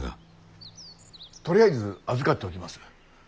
とりあえず預かっておきます。